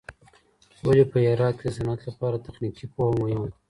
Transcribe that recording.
ولي پههرات کي د صنعت لپاره تخنیکي پوهه مهمه ده؟